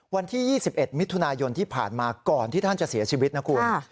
วันที่๒๑มิถุนายนที่ผ่านมาก่อนที่ท่านจะเสียชีวิตนะคุณ